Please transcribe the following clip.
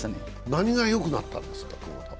何がよくなったんですか、クボタは。